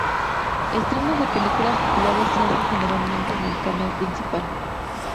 Estrenos de películas populares se hacen generalmente en el canal principal.